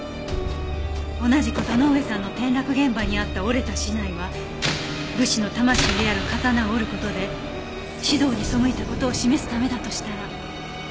同じく堂上さんの転落現場にあった折れた竹刀は武士の魂である刀を折る事で士道に背いた事を示すためだとしたら。